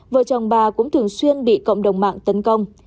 vợ chồng bà cũng thường xuyên bị cộng đồng mạng tấn công